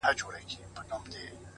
• مور له زامنو څخه پټیږي,